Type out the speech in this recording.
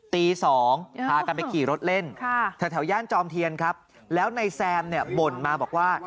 ตี๒พากันไปขี่รถเล่นแถวย่านจอมเทียนครับแล้วนายแซมเนี่ยบ่นมาบอกว่า